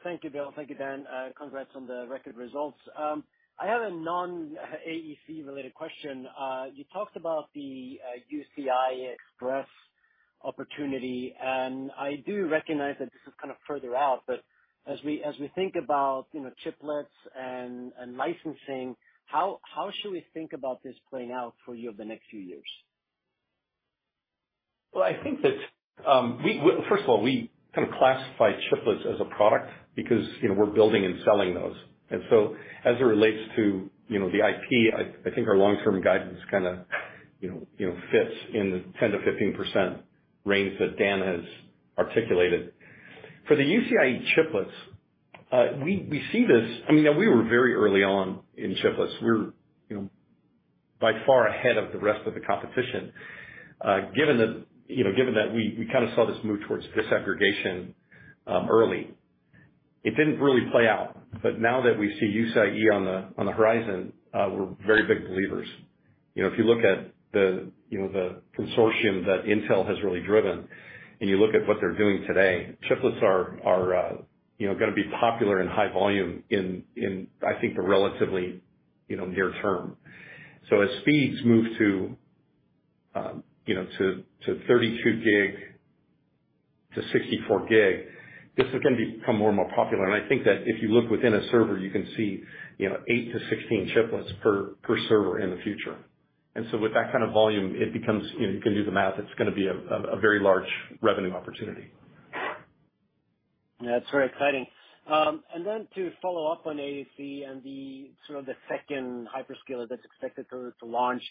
[SPEAKER 11] thank you, Bill. Thank you, Dan. Congrats on the record results. I have a non-AEC related question. You talked about the UCI Express opportunity, and I do recognize that this is kind of further out, but as we think about, you know, chiplets and licensing, how should we think about this playing out for you over the next few years?
[SPEAKER 3] I think that, first of all, we kind of classify chiplets as a product because, you know, we're building and selling those. As it relates to, you know, the IP, I think our long-term guidance kinda, you know, fits in the 10%-15% range that Dan has articulated. For the UCIe chiplets, we see this. I mean, you know, we were very early on in chiplets. We were, you know, by far ahead of the rest of the competition, given that we kinda saw this move towards disaggregation early. It didn't really play out. Now that we see UCIe on the horizon, we're very big believers. You know, if you look at the, you know, the consortium that Intel has really driven, you look at what they're doing today, chiplets are, you know, gonna be popular and high volume in, I think, the relatively, you know, near term. As speeds move to, you know, to 32 gig to 64 gig, this is gonna become more and more popular. I think that if you look within a server, you can see, you know, 8 to 16 chiplets per server in the future. With that kind of volume, it becomes, you know, you can do the math, it's gonna be a very large revenue opportunity.
[SPEAKER 11] That's very exciting. To follow up on AEC and the sort of the second hyperscaler that's expected to launch,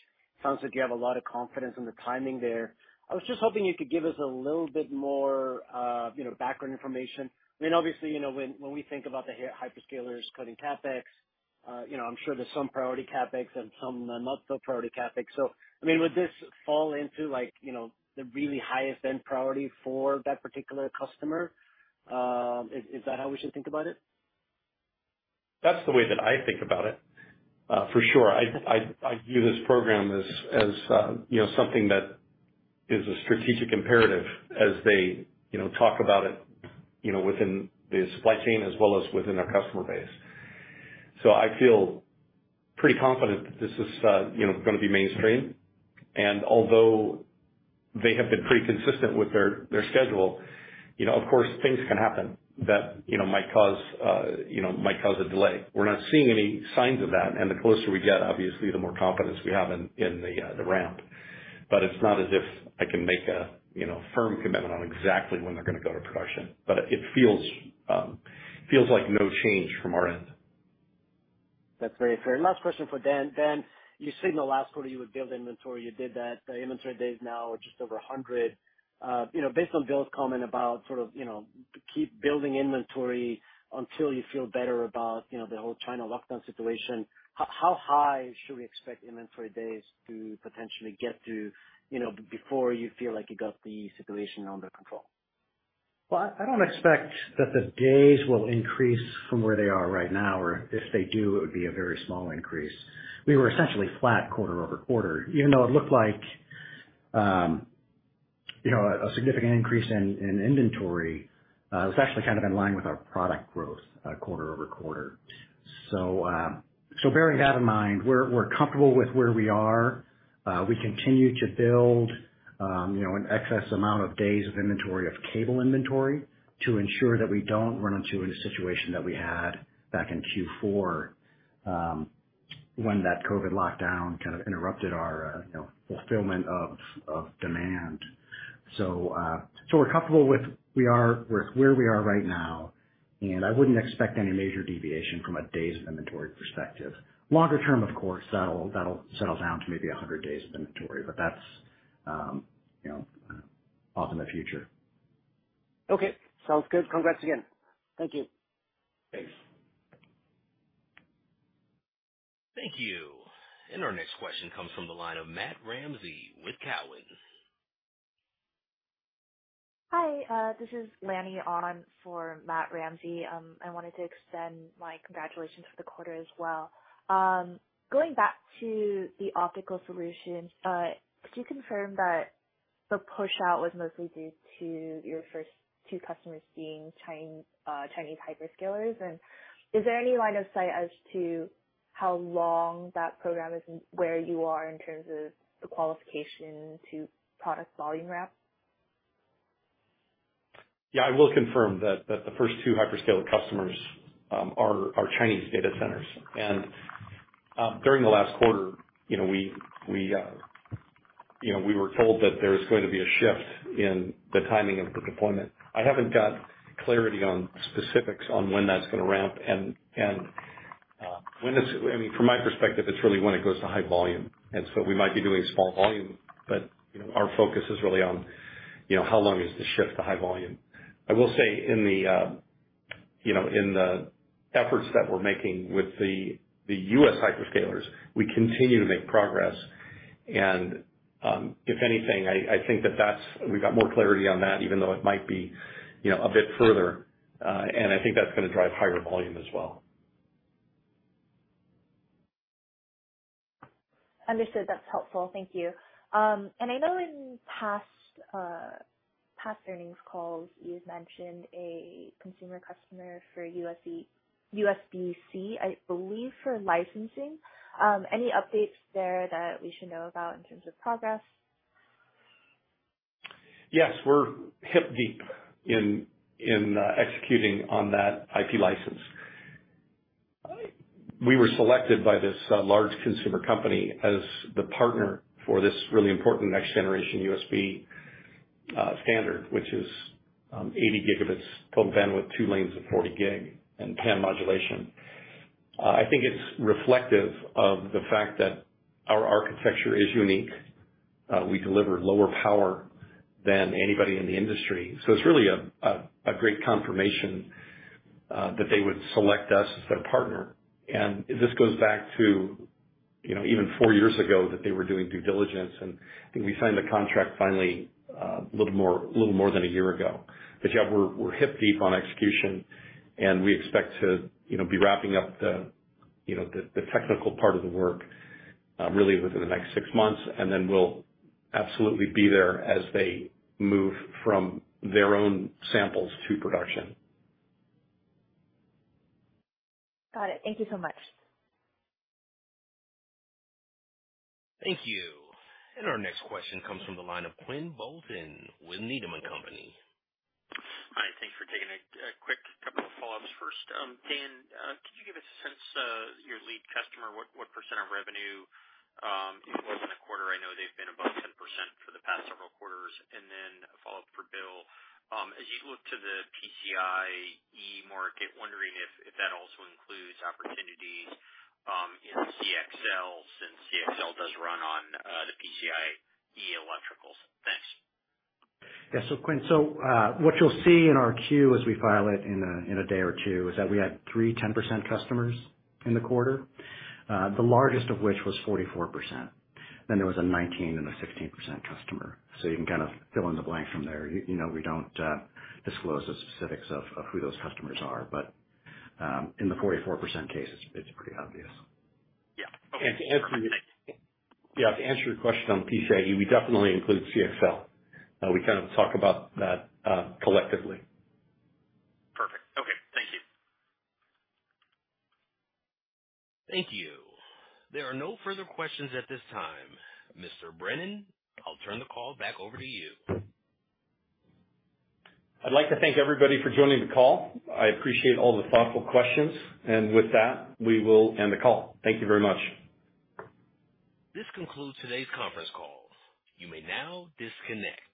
[SPEAKER 11] sounds like you have a lot of confidence in the timing there. I was just hoping you could give us a little bit more, you know, background information. I mean, obviously, you know, when we think about the hyperscalers cutting CapEx, you know, I'm sure there's some priority CapEx and some not so priority CapEx. I mean, would this fall into like, you know, the really highest end priority for that particular customer? Is that how we should think about it?
[SPEAKER 3] That's the way that I think about it, for sure. I view this program as, you know, something that is a strategic imperative as they, you know, talk about it, you know, within the supply chain as well as within our customer base. I feel pretty confident that this is, you know, gonna be mainstream. Although they have been pretty consistent with their schedule, you know, of course, things can happen that, you know, might cause, you know, might cause a delay. We're not seeing any signs of that. The closer we get, obviously the more confidence we have in the ramp. It's not as if I can make a, you know, firm commitment on exactly when they're gonna go to production. It feels like no change from our end.
[SPEAKER 11] That's very fair. Last question for Dan. Dan, you said in the last quarter you would build inventory. You did that. The inventory days now are just over 100. You know, based on Bill's comment about sort of, you know, keep building inventory until you feel better about, you know, the whole China lockdown situation, how high should we expect inventory days to potentially get to, you know, before you feel like you got the situation under control?
[SPEAKER 4] Well, I don't expect that the days will increase from where they are right now, or if they do, it would be a very small increase. We were essentially flat quarter-over-quarter. Even though it looked like, you know, a significant increase in inventory, it was actually kind of in line with our product growth, quarter-over-quarter. Bearing that in mind, we're comfortable with where we are. We continue to build, you know, an excess amount of days of inventory, of cable inventory to ensure that we don't run into any situation that we had back in Q4, when that COVID lockdown kind of interrupted our, you know, fulfillment of demand. We're comfortable with where we are right now. I wouldn't expect any major deviation from a days of inventory perspective. Longer term, of course, that'll settle down to maybe 100 days of inventory. That's, you know, off in the future.
[SPEAKER 11] Okay. Sounds good. Congrats again. Thank you.
[SPEAKER 3] Thanks.
[SPEAKER 1] Thank you. Our next question comes from the line of Matt Ramsay with TD Cowen.
[SPEAKER 12] Hi, this is Lanny on for Matt Ramsay. I wanted to extend my congratulations for the quarter as well. Going back to the optical solutions, could you confirm that the push-out was mostly due to your first two customers being Chinese hyperscalers? Is there any line of sight as to how long that program is and where you are in terms of the qualification to product volume ramp?
[SPEAKER 3] Yeah, I will confirm that the first two hyperscaler customers are Chinese data centers. During the last quarter, you know, we, you know, we were told that there's going to be a shift in the timing of the deployment. I haven't got clarity on specifics on when that's gonna ramp and, I mean, from my perspective, it's really when it goes to high volume. We might be doing small volume, but, you know, our focus is really on, you know, how long is the shift to high volume. I will say in the, you know, in the efforts that we're making with the U.S. hyperscalers, we continue to make progress. If anything, I think we've got more clarity on that, even though it might be, you know, a bit further. I think that's gonna drive higher volume as well.
[SPEAKER 12] Understood. That's helpful. Thank you. I know in past earnings calls you've mentioned a consumer customer for USB-C, I believe, for licensing. Any updates there that we should know about in terms of progress?
[SPEAKER 3] Yes, we're hip deep in executing on that IP license. We were selected by this large consumer company as the partner for this really important next generation USB standard, which is 80 gigabits total bandwidth, 2 lanes of 40 gig PAM4 modulation. I think it's reflective of the fact that our architecture is unique. We deliver lower power than anybody in the industry, so it's really a great confirmation that they would select us as their partner. This goes back to, you know, even 4 years ago that they were doing due diligence, and I think we signed the contract finally a little more than 1 year ago. Yeah, we're hip deep on execution, and we expect to, you know, be wrapping up the, you know, the technical part of the work, really within the next six months. Then we'll absolutely be there as they move from their own samples to production.
[SPEAKER 12] Got it. Thank you so much.
[SPEAKER 1] Thank you. Our next question comes from the line of Quinn Bolton with Needham & Company.
[SPEAKER 5] Hi. Thanks for taking it. A quick couple of follow-ups first. Dan, could you give us a sense of your lead customer, what percent of revenue, it was in the quarter? I know they've been above 10% for the past several quarters. Then a follow-up for Bill. As you look to the PCIe market, wondering if that also includes opportunities, in CXL, since CXL does run on the PCIe electricals. Thanks.
[SPEAKER 4] Yeah. Quinn, so, what you'll see in our Q as we file it in a day or two, is that we had 3 10% customers in the quarter, the largest of which was 44%. There was a 19% and a 16% customer. You can kind of fill in the blank from there. You know, we don't disclose the specifics of who those customers are, but in the 44% case, it's pretty obvious.
[SPEAKER 5] Yeah. Okay.
[SPEAKER 3] And to answer-
[SPEAKER 5] Thanks.
[SPEAKER 3] To answer your question on PCIe, we definitely include CXL. We kind of talk about that collectively.
[SPEAKER 5] Perfect. Okay. Thank you.
[SPEAKER 1] Thank you. There are no further questions at this time. Mr. Brennan, I'll turn the call back over to you.
[SPEAKER 3] I'd like to thank everybody for joining the call. I appreciate all the thoughtful questions. With that, we will end the call. Thank you very much.
[SPEAKER 1] This concludes today's conference call. You may now disconnect.